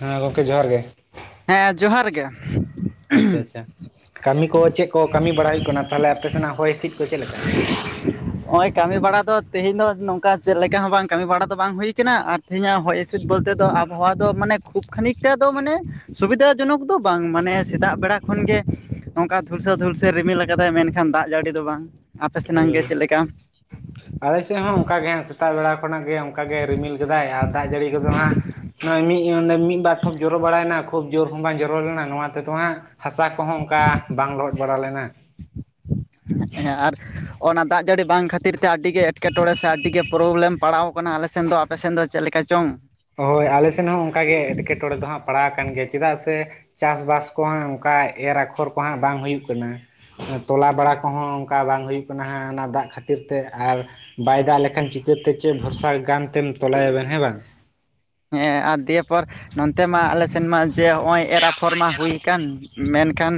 ᱦᱮᱸ ᱜᱚᱝᱠᱮ ᱡᱚᱦᱟᱨ ᱜᱮ ᱦᱮᱸ ᱡᱚᱦᱟᱨ ᱜᱮ ᱟᱪᱪᱷᱟ ᱟᱪᱪᱷᱟ ᱠᱟᱹᱢᱤ ᱠᱚ ᱪᱮᱫ ᱠᱚ ᱠᱟᱹᱢᱤ ᱵᱟᱲᱟ ᱦᱩᱭᱩᱜ ᱠᱟᱱᱟ ᱛᱟᱦᱚᱞᱮ ᱟᱯᱮ ᱥᱮᱱᱟᱜ ᱦᱚᱭ ᱦᱤᱸᱥᱤᱫ ᱠᱚ ᱪᱮᱫ ᱞᱮᱠᱟ? ᱦᱚᱜᱼᱚᱭ ᱠᱟᱹᱢᱤ ᱵᱟᱲᱟ ᱫᱚ ᱛᱮᱦᱮᱧ ᱫᱚ ᱱᱚᱝᱠᱟ ᱪᱮᱫ ᱞᱮᱠᱟ ᱦᱚᱸ ᱵᱟᱝ ᱠᱟᱹᱢᱤ ᱵᱟᱲᱟ ᱫᱚ ᱵᱟᱝ ᱦᱩᱭ ᱠᱟᱱᱟ ᱟᱨ ᱛᱤᱦᱤᱧᱟᱜ ᱦᱚᱭ ᱦᱤᱸᱥᱤᱫ ᱵᱚᱞᱛᱮ ᱫᱚ ᱟᱵᱚᱦᱟᱣᱟ ᱫᱚ ᱢᱟᱱᱮ ᱠᱷᱩᱵ ᱠᱷᱟᱹᱱᱤᱠᱴᱟ ᱫᱚ ᱢᱟᱱᱮ ᱥᱩᱵᱤᱫᱟ ᱡᱚᱱᱚᱠ ᱫᱚ ᱵᱟᱝ ᱢᱟᱱᱮ ᱥᱮᱛᱟᱜ ᱵᱮᱲᱟ ᱠᱷᱚᱱ ᱜᱮ ᱱᱚᱝᱠᱟ ᱫᱷᱩᱞᱥᱟᱹᱣ ᱫᱷᱩᱞᱥᱟᱹᱣ ᱮ ᱨᱤᱢᱤᱞ [unintelligible] ᱢᱮᱱᱠᱷᱟᱱ ᱫᱟᱜ ᱡᱟᱹᱲᱤ ᱫᱚ ᱵᱟᱝ ᱟᱯᱮ ᱥᱮᱱᱟᱜ ᱜᱮ ᱦᱳᱭ ᱪᱮᱫ ᱞᱮᱠᱟ? ᱟᱞᱮ ᱥᱮᱜ ᱦᱚᱸ ᱚᱱᱠᱟ ᱜᱮ ᱦᱮᱸᱥᱮ ᱥᱮᱛᱟᱜ ᱵᱮᱲᱟ ᱠᱷᱚᱱᱟᱜ ᱜᱮ ᱚᱱᱠᱟ ᱜᱮ ᱨᱤᱢᱤᱞ ᱠᱟᱫᱟᱭ ᱟᱨ ᱫᱟᱜ ᱡᱟᱹᱲᱤ ᱠᱚᱫᱚ ᱦᱟᱸᱜ [inaudible] ᱢᱤᱫ [inaudible] ᱢᱤᱫ ᱵᱟᱨ ᱴᱷᱚᱯ ᱡᱚᱨᱚ ᱵᱟᱲᱟᱭᱱᱟ ᱠᱷᱩᱵ ᱡᱳᱨ ᱦᱚᱸ ᱵᱟᱝ ᱡᱚᱨᱚ ᱞᱮᱱᱟ ᱱᱚᱣᱟ ᱛᱮᱫᱚ ᱦᱟᱸᱜ ᱦᱟᱥᱟ ᱠᱚᱦᱚᱸ ᱚᱝᱠᱟ ᱵᱟᱝ ᱞᱚᱦᱚᱫ ᱵᱟᱲᱟ ᱞᱮᱱᱟ [inaudible] ᱮᱸᱦ ᱦᱮᱸ ᱟᱨ ᱚᱱᱟ ᱫᱟᱜ ᱡᱟᱹᱲᱤ ᱵᱟᱝ ᱠᱷᱟᱹᱛᱤᱨ ᱛᱮ ᱟᱹᱰ‌ᱤ ᱜᱮ ᱮᱴᱠᱮᱴᱚᱬᱮ ᱥᱮ ᱟᱹᱰᱤᱜᱮ ᱯᱨᱚᱵᱞᱮᱢ ᱯᱟᱲᱟᱣ ᱠᱟᱱᱟ ᱟᱞᱮ ᱥᱮᱱ ᱫᱚ ᱟᱯᱮ ᱥᱮᱱ ᱫᱚ ᱪᱮᱫ ᱞᱮᱠᱟ ᱪᱚᱝ? ᱦᱚᱭ ᱟᱞᱮ ᱥᱮᱱ ᱦᱚᱸ ᱚᱱᱠᱟ ᱜᱮ ᱮᱴᱠᱮᱴᱚᱬᱮ ᱫᱚ ᱦᱟᱸᱜ ᱯᱟᱲᱟᱣ ᱟᱠᱟᱱ ᱜᱮ ᱪᱮᱫᱟᱜ ᱥᱮ ᱪᱟᱥ ᱵᱟᱥ ᱠᱚ ᱦᱚᱸ ᱚᱱᱠᱟ ᱮᱨ ᱟᱠᱷᱚᱨ ᱠᱚᱦᱟᱸᱜ ᱵᱟᱝ ᱦᱩᱭᱩᱜ ᱠᱟᱱᱟ ᱛᱚᱞᱟ ᱵᱟᱲᱟ ᱠᱚᱦᱚᱸ ᱚᱱ ᱚᱱᱠᱟ ᱵᱟᱝ ᱦᱩᱭᱩᱜ ᱠᱟᱱᱟ ᱦᱟᱸᱜ ᱚᱱᱟ ᱫᱟᱜ ᱠᱷᱟᱹᱛᱤᱨ ᱛᱮ ᱟᱨᱼᱼ ᱵᱟᱭ ᱫᱟᱜ ᱞᱮᱠᱷᱟᱱ ᱪᱤᱠᱟᱹᱛᱮ ᱪᱮᱫ ᱵᱷᱚᱨᱥᱟ ᱜᱟᱱ ᱛᱮᱢ ᱛᱚᱞᱟᱭᱟ ᱵᱮᱱ ᱦᱮᱸ ᱵᱟᱝ ᱦᱮᱸ ᱟᱨ ᱫᱤᱭᱮ ᱯᱚᱨ ᱱᱚᱱᱛᱮ ᱢᱟ ᱟᱞᱮ ᱥᱮᱱ ᱢᱟ ᱡᱮ ᱦᱚᱸᱜᱼᱚᱭ ᱮᱨ ᱟᱯᱷᱚᱨ ᱢᱟ ᱦᱩᱭ ᱠᱟᱱ ᱢᱮᱱ ᱠᱷᱟᱱ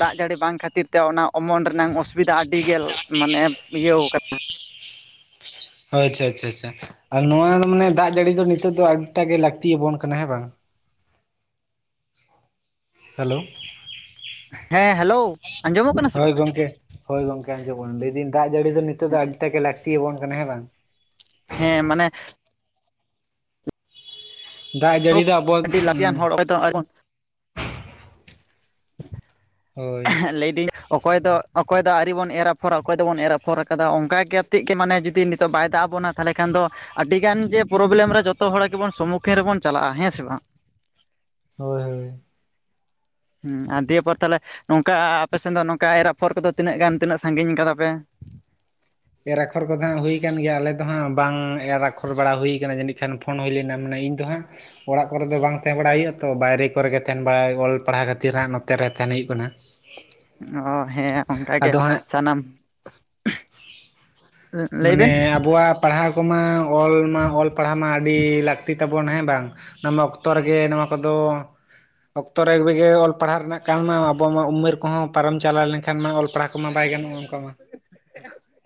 ᱫᱟᱜ ᱡᱟᱹᱲᱤ ᱵᱟᱝ ᱠᱷᱟᱹᱛᱤᱨ ᱛᱮ ᱚᱱᱟ ᱚᱢᱚᱱ ᱨᱮᱱᱟᱝ ᱚᱥᱩᱵᱤᱫᱟ ᱟᱹᱰᱤ ᱜᱮ ᱢᱟᱱᱮ ᱤᱭᱟᱹᱣ [unintelligible] ᱦᱳᱭ ᱟᱪᱪᱷᱟ ᱟᱪᱪᱷᱟ ᱟᱪᱪᱷᱟ ᱟᱨ ᱱᱚᱣᱟ ᱢᱟᱱᱮ ᱫᱟᱜ ᱡᱟᱹᱲᱤ ᱫᱚ ᱱᱤᱛᱚᱜ ᱫᱚ ᱟᱹᱰᱤᱴᱟᱜ ᱜᱮ ᱞᱟᱹᱠᱛᱤᱭᱟ ᱵᱚᱱ ᱠᱟᱱᱟ ᱦᱮᱸ ᱵᱟᱝ ᱦᱮᱞᱳ ᱦᱮᱸ ᱦᱮᱞᱳ ᱟᱸᱡᱚᱢᱚᱜ ᱠᱟᱱᱟ ᱥᱮ ᱵᱟᱝ ᱦᱳᱭ ᱜᱚᱢᱠᱮ ᱦᱳᱭ ᱜᱚᱢᱠᱮ ᱟᱸᱡᱚᱢ ᱵᱚᱱᱟ ᱞᱟᱹᱭ ᱫᱤᱱ ᱫᱟᱜ ᱡᱟᱹᱲᱤ ᱫᱚ ᱱᱤᱛᱚᱜ ᱫᱚ ᱟᱹᱰᱤ ᱴᱟᱜ ᱜᱮ ᱞᱟᱹᱠᱛᱤᱭᱟ ᱵᱚᱱ ᱠᱟᱱᱟ ᱦᱮᱸ ᱵᱟᱝ ᱦᱮᱸ ᱢᱟᱱᱮ ᱫᱟᱜ ᱡᱟᱹᱲᱤ ᱫᱚ ᱟᱵᱚᱣᱟᱜ [inaudible] ᱟᱹᱰᱤ ᱞᱟᱹᱠᱛᱤᱭᱟᱱ [inaudible] ᱦᱳᱭ ᱚᱠᱚᱭ ᱫᱚ ᱚᱠᱚᱭ ᱫᱚ ᱟᱹᱣᱨᱤ ᱵᱚᱱ ᱮᱨ ᱟᱯᱷᱚᱨᱟ ᱚᱠᱚᱭ ᱫᱚᱵᱚᱱ ᱮᱨ ᱟᱯᱷᱚᱨ ᱟᱠᱟᱫᱟ ᱚᱱᱠᱟ ᱠᱟᱛᱮᱫ ᱜᱮ ᱢᱟᱱᱮ ᱡᱩᱫᱤ ᱱᱤᱛᱚᱜ ᱵᱟᱭ ᱫᱟᱜ ᱟᱵᱚᱱᱟ ᱛᱟᱦᱞᱮ ᱠᱷᱟᱱ ᱫᱚ ᱟᱹᱰᱤ ᱜᱟᱱ ᱡᱮ ᱯᱨᱚᱵᱞᱮᱢ ᱨᱮ ᱡᱚᱛᱚ ᱦᱚᱲ ᱜᱮᱵᱚᱱ ᱥᱚᱢᱢᱩᱠᱷᱤᱱ ᱨᱮᱵᱚᱱ ᱪᱟᱞᱟᱜᱼᱟ ᱦᱮᱸ ᱥᱮ ᱵᱟᱝ ᱦᱳᱭ ᱦᱳᱭ ᱦᱩᱸ ᱟᱨ ᱫᱤᱭᱮᱯᱚᱨ ᱛᱟᱦᱞᱮ ᱱᱚᱝᱠᱟ ᱟ ᱟᱯᱮ ᱥᱮᱱ ᱫᱚ ᱱᱚᱝᱠᱟ ᱮᱨ ᱟᱯᱷᱚᱨ ᱠᱚᱫᱚ ᱛᱤᱱᱟᱹᱜ ᱜᱟᱱ ᱛᱤᱱᱟᱹᱜ ᱥᱟᱺᱜᱤᱧ ᱠᱟᱫᱟ ᱯᱮ ᱮᱨ ᱟᱠᱷᱚᱨ ᱠᱚᱫᱚ ᱦᱟᱸᱜ ᱦᱩᱭ ᱠᱟᱱ ᱜᱮᱭᱟ ᱟᱞᱮ ᱫᱚ ᱦᱟᱸᱜ ᱵᱟᱝ ᱮᱨ ᱟᱠᱷᱚᱨ ᱵᱟᱲᱟ ᱦᱩᱭ ᱠᱟᱱᱟ ᱡᱟᱹᱱᱤᱡ ᱠᱷᱟᱱ ᱯᱷᱳᱱ ᱦᱩᱭ ᱞᱮᱱᱟ ᱢᱟᱱᱮ ᱤᱧᱫᱚ ᱦᱟᱸᱜ ᱚᱲᱟᱜ ᱠᱚᱨᱮ ᱫᱚ ᱵᱟᱝ ᱛᱟᱦᱮᱸ ᱵᱟᱲᱟ ᱦᱩᱭᱩᱜᱼᱟ ᱛᱚ ᱵᱟᱭᱨᱮ ᱠᱚᱨᱮ ᱜᱮ ᱛᱟᱦᱮᱱ ᱵᱟᱲᱟ ᱚᱞ ᱯᱟᱲᱦᱟᱣ ᱠᱷᱟᱹᱛᱤᱨ ᱦᱟᱸᱜ ᱱᱚᱛᱮ ᱨᱮ ᱛᱟᱦᱮᱱ ᱦᱩᱭᱩᱜ ᱠᱟᱱᱟ ᱚ ᱦᱮᱸ ᱚᱱᱠᱟ ᱜᱮ ᱟᱫᱚ ᱦᱟᱸᱜ ᱥᱟᱱᱟᱢᱼᱼ ᱢᱟᱱᱮ ᱟᱵᱚᱣᱟᱜ ᱯᱟᱲᱦᱟᱣ ᱠᱚᱢᱟ ᱚᱞ ᱢᱟ ᱚᱞ ᱯᱟᱲᱦᱟᱣ ᱢᱟ ᱟᱹᱰᱤ ᱞᱟᱹᱠᱛᱤ ᱛᱟᱵᱚᱱᱟ ᱦᱮᱸ ᱵᱟᱝ ᱱᱚᱣᱟ ᱚᱠᱛᱚ ᱨᱮᱜᱮ ᱱᱚᱣᱟ ᱠᱚᱫᱚ ᱚᱠᱛᱚ ᱨᱮᱜᱮ [inaudible] ᱚᱞ ᱯᱟᱲᱦᱟᱣ ᱨᱮᱱᱟᱜ ᱠᱟᱱ ᱢᱟ ᱟᱵᱚ ᱢᱟ ᱩᱢᱮᱨ ᱠᱚ ᱦᱚᱸ ᱯᱟᱨᱚᱢ ᱪᱟᱞᱟᱣ ᱞᱮᱱ ᱠᱷᱟᱱ ᱢᱟ ᱚᱞ ᱯᱟᱲᱦᱟᱣ ᱠᱚᱢᱟ ᱵᱟᱭ ᱜᱟᱱᱚᱜᱼᱟ ᱚᱱᱠᱟ ᱢᱟ